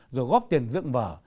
rồi góp tiền dưỡng vở